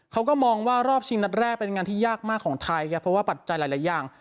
เขาก็มองว่ารอบชิงนัดแรกเป็นงานที่ยากมากของไทยครับเพราะว่าปัจจัยหลายอย่าง